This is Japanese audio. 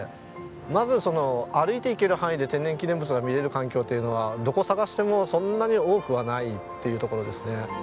まずその歩いていける範囲で天然記念物が見れる環境というのはどこ探してもそんなに多くはないっていうところですね。